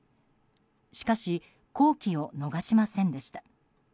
しかし、好機を逃しませんでした。